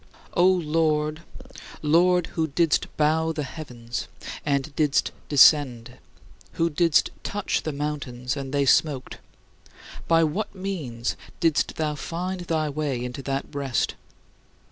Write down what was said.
4. O Lord, Lord, "who didst bow the heavens and didst descend, who didst touch the mountains and they smoked," by what means didst thou find thy way into that breast?